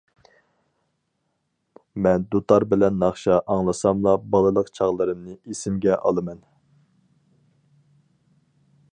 مەن دۇتار بىلەن ناخشا ئاڭلىساملا بالىلىق چاغلىرىمنى ئېسىمگە ئالىمەن.